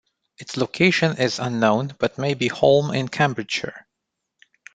Its location is unknown but may be Holme in Cambridgeshire.